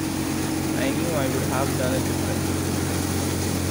I knew I would have done it differently.